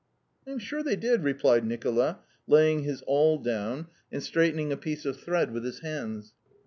"I am sure they did," replied Nicola, laying his awl down and straightening a piece of thread with his hands.